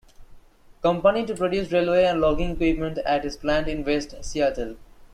Company to produce railway and logging equipment at its plant in West Seattle.